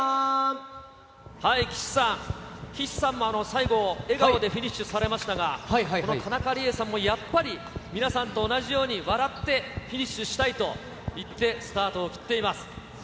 はい、岸さん、岸さんも最後、笑顔でフィニッシュされましたが、この田中理恵さんもやっぱり、皆さんと同じように笑ってフィニッシュしたいと言って、スタート切っています。